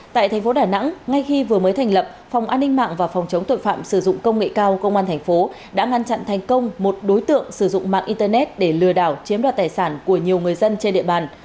tại thành phố đà nẵng ngay khi vừa mới thành lập phòng an ninh mạng và phòng chống tội phạm sử dụng công nghệ cao công an thành phố đã ngăn chặn thành công một đối tượng sử dụng mạng internet để lừa đảo chiếm đoạt tài sản của nhiều người dân trên địa bàn